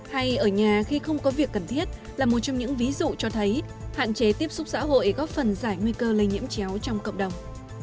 hay ở nhà khi không có việc cần thiết là một trong những ví dụ cho thấy hạn chế tiếp xúc xã hội góp phần giải nguy cơ lây nhiễm chéo trong cộng đồng